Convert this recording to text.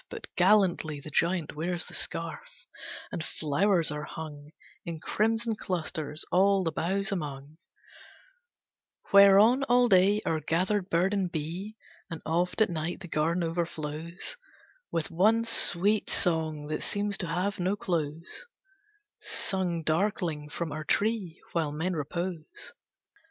But gallantly The giant wears the scarf, and flowers are hung In crimson clusters all the boughs among, Whereon all day are gathered bird and bee; And oft at nights the garden overflows With one sweet song that seems to have no close, Sung darkling from our tree, while men repose.